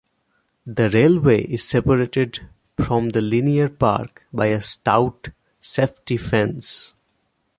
The railway is separated from the linear park by a stout safety fence.